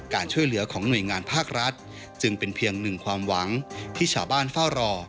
การช่วยเหลือของหน่วยงานภาครัฐจึงเป็นเพียงหนึ่งความหวังที่ชาวบ้านเฝ้ารอ